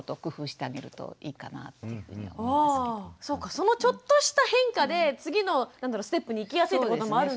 そのちょっとした変化で次のステップに行きやすいってこともあるんですね。